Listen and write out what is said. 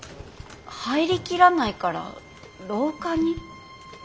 入りきらないから廊下に？